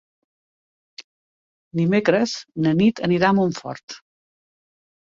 Dimecres na Nit anirà a Montfort.